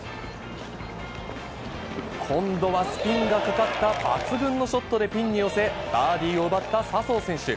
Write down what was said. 今度はスピンがかかった抜群のショットでピンに寄せ、バーディーを奪った笹生選手。